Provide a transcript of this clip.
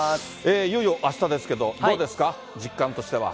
いよいよあしたですけど、どうですか、実感としては。